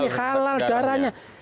ini halal darahnya